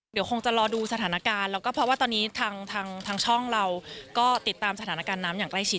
เดี๋ยวคงจะรอดูสถานการณ์แล้วก็เพราะว่าตอนนี้ทางช่องเราก็ติดตามสถานการณ์น้ำอย่างใกล้ชิด